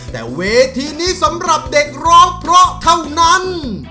แต่เวทีนี้สำหรับเด็กร้องเพราะเท่านั้น